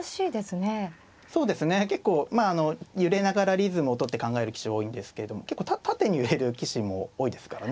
リズムをとって考える棋士は多いんですけども結構縦に揺れる棋士も多いですからね。